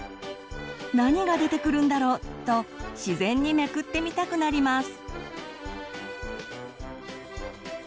何が出てくるんだろう？と自然にめくってみたくなります。